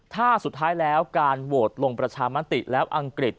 ถ้าสุดท้ายแล้วการโหวตลงประชามติแล้วอังกฤษ